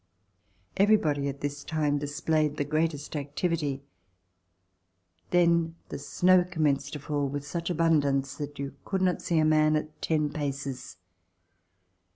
Everybody at this time displayed the greatest activity. Then the snow commenced to fall with such abundance that THE FARM NEAR ALBANY you could not see a man at ten paces.